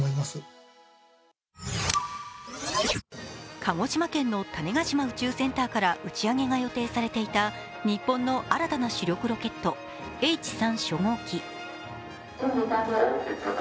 鹿児島県の種子島宇宙センターから打ち上げが予定されていた日本の新たな主力ロケット、Ｈ３初号機。